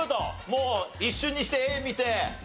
もう一瞬にして絵見て。